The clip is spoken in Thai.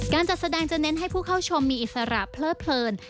การจัดแสดงจะเน้นให้ผู้เข้าชมมีอิสระเพลิดเพลิน